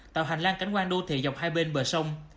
tạo hành lang cảnh quan đô thị dọc hai bên bờ sông